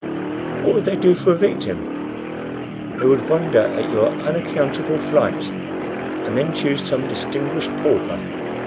"What would they do for a victim?" "They would wonder at your unaccountable flight, and then choose some distinguished pauper."